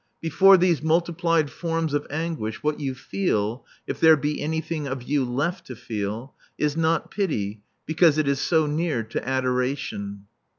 Before these multiplied forms of anguish what you feel if there be anything of you left to feel is not pity, because it is so near to adoration.